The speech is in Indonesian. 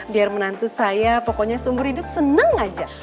biar menantu saya pokoknya seumur hidup senang aja